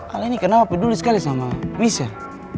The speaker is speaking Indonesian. ali ini kenapa peduli sekali sama wissar